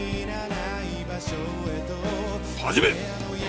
始め！